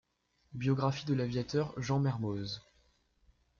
Biographie de l'aviateur Jean Mermoz.